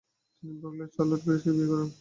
তিনি ব্রুকলেনে চার্লোট গেরিজকে বিয়ে করেন।